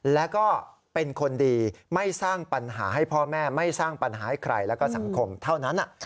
แล้วก็เป็นคนดีไม่สร้างปัญหาให้พ่อแม่ไม่สร้างปัญหาให้ใครแล้วก็สังคมเท่านั้น